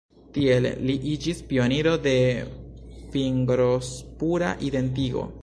Tiel li iĝis pioniro de fingrospura identigo.